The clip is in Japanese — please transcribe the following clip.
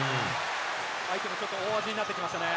相手もちょっと大味になってきましたね。